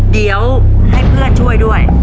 เดี๋ยวให้เพื่อนช่วยด้วย